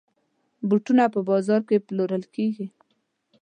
بوټونه په بازاز کې پلورل کېږي.